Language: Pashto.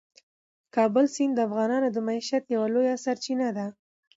د کابل سیند د افغانانو د معیشت یوه لویه سرچینه ده.